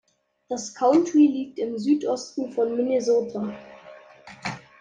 Das County liegt im Südosten von Minnesota.